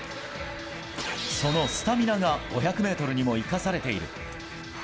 そのスタミナが５００ｍにも生かされている。